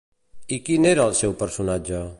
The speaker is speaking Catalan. I quin era el seu personatge?